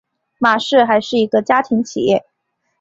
玛氏还是一个家庭企业。